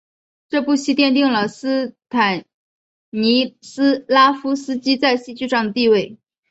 这部戏奠定了斯坦尼斯拉夫斯基在戏剧上的地位。